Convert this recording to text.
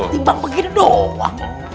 timbang begini doang